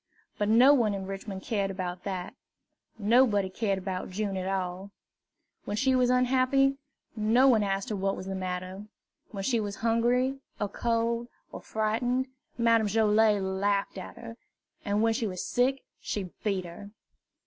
But no one in Richmond cared about that. Nobody cared about June at all. When she was unhappy, no one asked what was the matter; when she was hungry, or cold, or frightened, Madame Joilet laughed at her, and when she was sick she beat her.